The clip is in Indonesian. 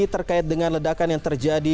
terkait dengan ledakan yang terjadi